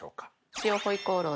塩ホイコーロー！